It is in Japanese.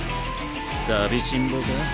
寂しんぼか？